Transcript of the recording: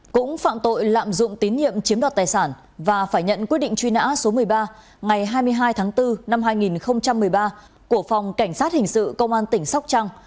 cũng phạm tội lạm dụng tín nhiệm chiếm đoạt tài sản và phải nhận quyết định truy nã số một mươi ba ngày hai mươi hai tháng bốn năm hai nghìn một mươi ba của phòng cảnh sát hình sự công an tỉnh sóc trăng